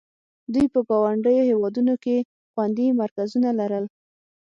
دوی په ګاونډیو هېوادونو کې خوندي مرکزونه لرل.